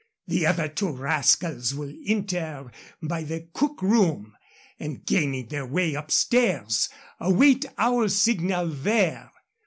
The other two rascals will enter by the cook room, and, gaining their way upstairs, await our signal there.